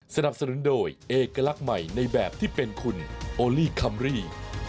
สนับสนุนโดยเอกลักษณ์ใหม่ในแบบที่เป็นคุณโอลี่คัมรี่